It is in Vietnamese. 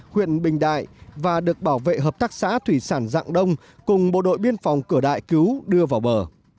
huyện bình đại và được bảo vệ hợp tác xã thủy sản dạng đông cùng bộ đội biên phòng cửa đại cứu đưa vào bờ